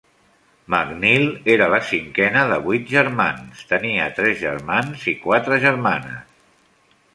MacNeil era la cinquena de vuit germans; tenia tres germans i quatre germanes.